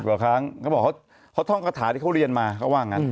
กว่าครั้งเขาบอกเขาท่องกระถาที่เขาเรียนมาเขาว่างั้น